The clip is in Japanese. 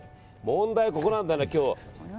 問題はここなんだよな、今日。